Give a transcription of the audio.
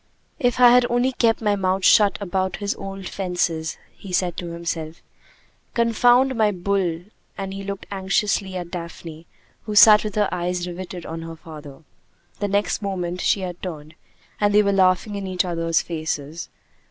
"If I had only kept my mouth shut about his old fences," he said to himself. "Confound my bull!" and he looked anxiously at Daphne, who sat with her eyes riveted on her father. The next moment she had turned, and they were laughing in each other's faces.